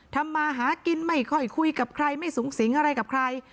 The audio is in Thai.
ทำมาหากินไม่ค่อยคุยกับใครไม่สูงสิงอะไรกับใคร